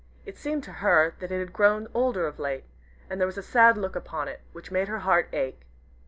It seemed to her that it had grown older of late, and there was a sad look upon it, which made her heart ache.